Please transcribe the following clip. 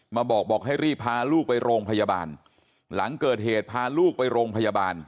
มาบอกบอกให้รีบพาลูกไปโรงพยาบาลหลังเกิดเหตุพาลูกไปโรงพยาบาล